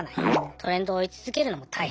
トレンドを追い続けるのも大変。